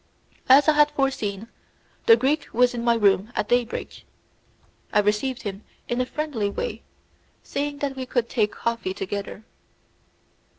As I had forseen, the Greek was in my room at daybreak. I received him in a friendly way, saying that we could take coffee together.